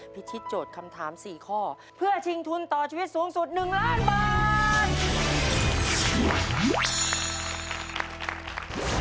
พิชิตโจทย์คำถาม๔ข้อเพื่อชิงทุนต่อชีวิตสูงสุด๑ล้านบาท